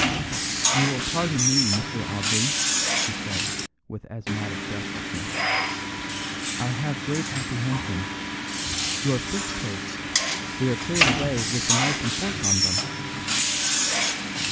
"You will pardon me, Mr. Audley," he said, with asthmatic breathlessness. "I have great apprehensions. Your fish plates, they are cleared away with the knife and fork on them!"